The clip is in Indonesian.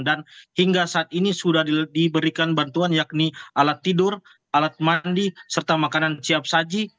dan hingga saat ini sudah diberikan bantuan yakni alat tidur alat mandi serta makanan siap saji